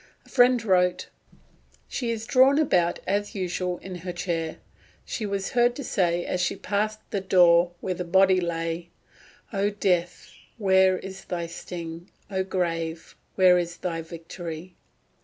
A friend wrote, "She is drawn about as usual in her chair. She was heard to say as she passed the door where the body lay, 'O Death, where is thy sting? O grave, where is thy victory?